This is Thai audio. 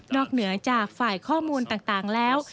เหนือจากฝ่ายข้อมูลต่างแล้ว